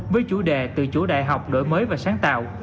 với chủ đề tự chủ đại học đổi mới và sáng tạo